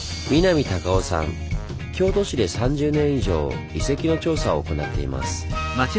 京都市で３０年以上遺跡の調査を行っています。